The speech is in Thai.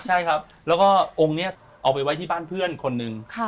ใช่ครับแล้วก็องค์นี้เอาไปไว้ที่บ้านเพื่อนคนหนึ่ง